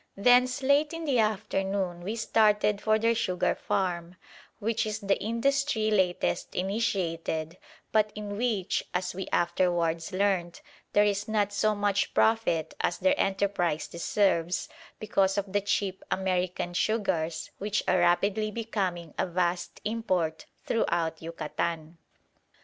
Thence late in the afternoon we started for their sugar farm, which is the industry latest initiated, but in which, as we afterwards learnt, there is not so much profit as their enterprise deserves, because of the cheap American sugars which are rapidly becoming a vast import throughout Yucatan.